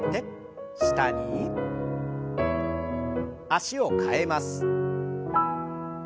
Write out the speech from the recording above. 脚を替えます。